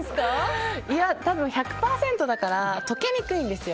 多分１００％だから溶けにくいんです。